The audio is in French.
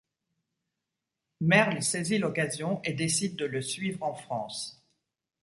Merle saisit l’occasion et décide de le suivre en France.